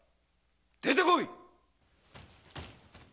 出てこい！